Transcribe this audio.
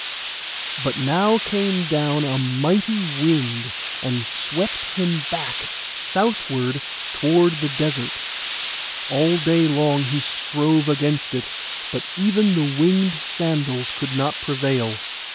But now came down a mighty wind, and swept him back southward toward the desert. All day long he strove against it; but even the winged sandals could not prevail.